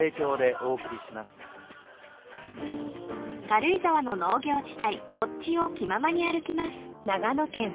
［軽井沢の農業地帯発地を気ままに歩きます］